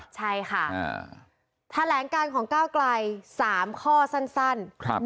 ใช่ค่ะอ่าแถลงการของก้าวไกรสามข้อสั้นสั้นครับ